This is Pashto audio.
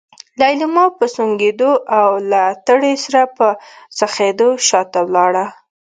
ليلما په سونګېدو او له تړې سره په څخېدو شاته لاړه.